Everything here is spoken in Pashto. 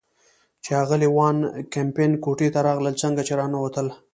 چې اغلې وان کمپن کوټې ته راغلل، څنګه چې را ننوتل.